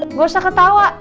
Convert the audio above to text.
nggak usah ketawa